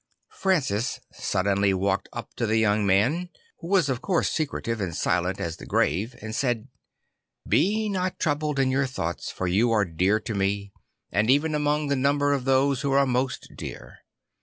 Francis suddenly walked up to the young man, who was of course secretive and silent as the grave, and said, II Be not troubled in your thoughts for you are dear to me, and even among the num ber of those who are most dear.